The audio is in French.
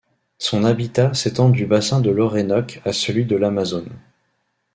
Son habitat s'étend du bassin de l'Orénoque à celui de l'Amazone.